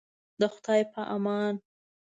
د خدای په امان.